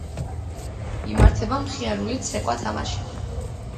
იმართება მხიარული ცეკვა-თამაში.